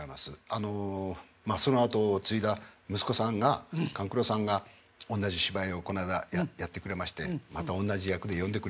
あのまあその跡を継いだ息子さんが勘九郎さんがおんなじ芝居をこの間やってくれましてまたおんなじ役で呼んでくれましてね。